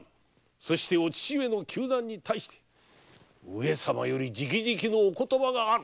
そしてお父上の糾弾に対して上様より直々のお言葉がある。